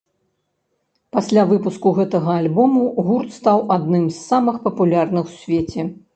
Пасля выпуску гэтага альбому гурт стаў адным з самых папулярных у свеце.